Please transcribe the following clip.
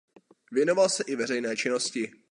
Věnoval se i veřejné činnost.